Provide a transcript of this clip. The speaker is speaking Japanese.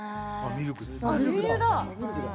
ミルクだ